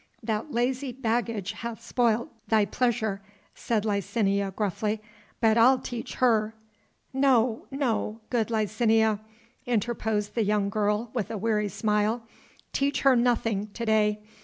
"That lazy baggage hath spoilt thy pleasure," said Licinia gruffly; "but I'll teach her " "No, no, good Licinia!" interposed the young girl with a weary smile. "Teach her nothing to day....